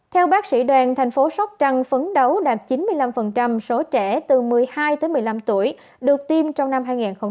theo bác sĩ đoàn thành phố sóc trăng phấn đấu đạt chín mươi năm số trẻ từ một mươi hai tới một mươi năm tuổi được tiêm trong năm hai nghìn hai mươi